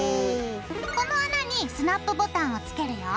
この穴にスナップボタンをつけるよ。